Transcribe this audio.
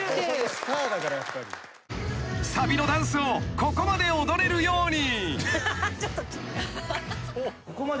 ［さびのダンスをここまで踊れるように］